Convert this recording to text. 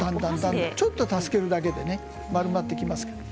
お箸でちょっと助けるだけで丸まってきます。